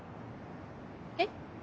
えっ？